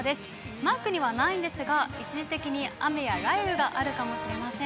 マークにはないんですが、一時的に雨や雷雨があるかもしれません。